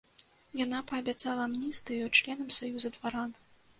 Яна паабяцала амністыю членам саюза дваран.